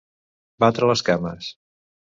Batre les cames.